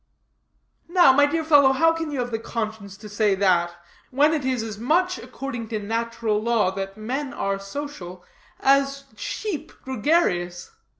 "Now, my dear fellow, how can you have the conscience to say that, when it is as much according to natural law that men are social as sheep gregarious.